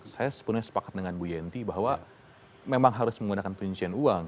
saya sepakat dengan bu yenty bahwa memang harus menggunakan pencucian uang